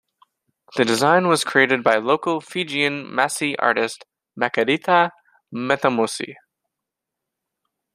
The design was created by local Fijian Masi artist, Makereta Matemosi.